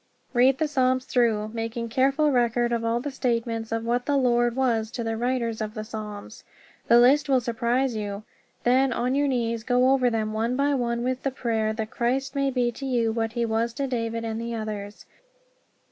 Read the Psalms through, making careful record of all the statements of what the Lord was to the writers of the Psalms. The list will surprise you. Then on your knees go over them one by one, with the prayer that Christ may be to you what he was to David and the others.